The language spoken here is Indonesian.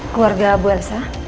keluarga bu elsa